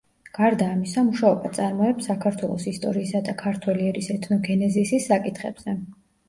გარდა ამისა, მუშაობა წარმოებს საქართველოს ისტორიისა და ქართველი ერის ეთნოგენეზისის საკითხებზე.